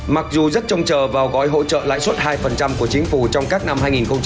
mặc dù rất trông chờ vào gói hỗ trợ lãi suất hai của chính phủ trong các năm hai nghìn hai mươi hai hai nghìn hai mươi ba